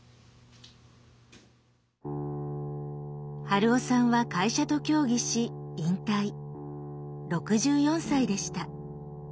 春雄さんは会社と協議し６４歳でした。